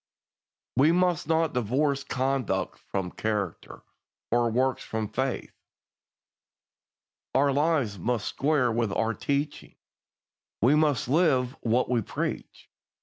We must not divorce conduct from character, or works from faith. Our lives must square with our teaching. We must live what we preach.